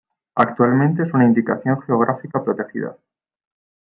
Actualmente es una Indicación Geográfica protegida.